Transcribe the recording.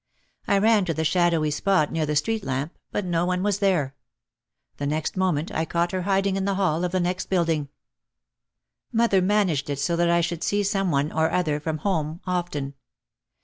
I ran to the shadowy spot near the street lamp, but no one was there. The next moment I caught her hiding in the hall of the next building. Mother managed it so that I should see some one or other from home often.